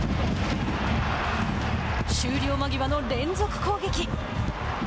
終了間際の連続攻撃。